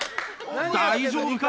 大丈夫か？